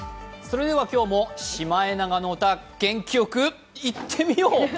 それでは今日も「シマエナガの歌」元気よく、いってみよう！